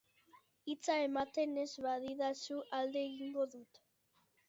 Hitza ematen ez badidazu, alde egingo dut.